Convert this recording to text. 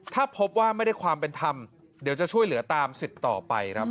ถ้าพบว่าไม่ได้ความเป็นธรรมเดี๋ยวจะช่วยเหลือตามสิทธิ์ต่อไปครับ